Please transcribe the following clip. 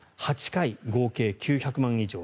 ８回、合計９００万円以上。